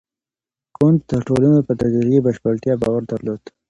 کنت د ټولنو په تدریجي بشپړتیا باور درلود.